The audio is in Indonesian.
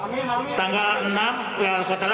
berarti tanggal enam sudah jadi wali kota lagi